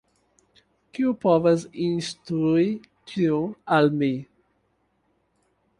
Kiu povas instrui tion al mi?